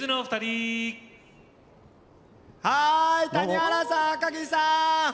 はい谷原さん赤木さん